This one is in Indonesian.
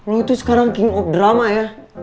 loh itu sekarang king of drama ya